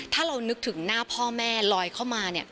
ถ้าเรานึกถึงหน้าพ่อแม่ลอยเข้ามา